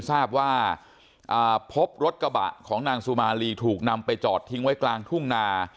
ทราบว่าพบรถกระบะของนางสุมาลีถูกนำไปจอดทิ้งไว้กลางทุ่งนา